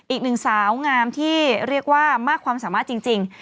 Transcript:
อีกหนึ่งสาวงามที่เรียกว่ามากความสามารถจริง